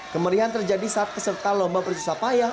kemerihan terjadi saat keserta lomba berjusah payah